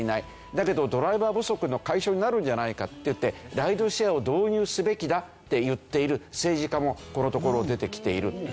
だけどドライバー不足の解消になるんじゃないかっていってライドシェアを導入すべきだって言っている政治家もこのところ出てきている。